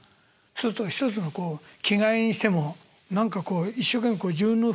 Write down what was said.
そうすると一つの着替えにしても何かこう一生懸命自分の。